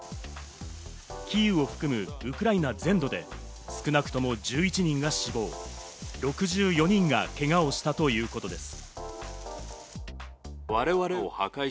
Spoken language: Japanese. キーウを含むウクライナ全土で少なくとも１１人が死亡、６４人がけがをしたということです。